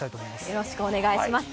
よろしくお願いします。